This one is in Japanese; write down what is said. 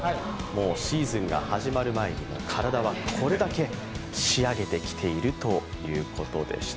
シーズンが始まる前に体はこれだけ仕上げてきているということでした。